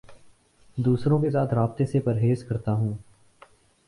دوسروں کے ساتھ رابطے سے پرہیز کرتا ہوں